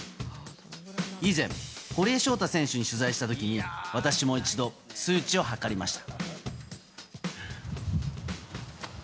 以前堀江翔太選手に取材した時に私も一度、数値を測りました。